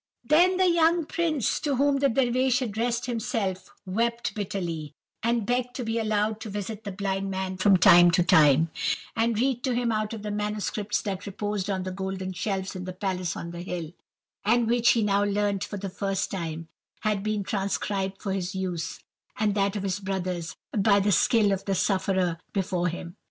"Then the young prince to whom the Dervish addressed himself, wept bitterly, and begged to be allowed to visit the blind man from time to time, and read to him out of the manuscripts that reposed on the golden shelves in the palace on the hill; and which, he now learnt for the first time, had been transcribed for his use, and that of his brothers, by the skill of the sufferer before him.